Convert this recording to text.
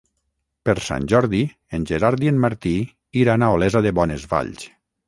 Per Sant Jordi en Gerard i en Martí iran a Olesa de Bonesvalls.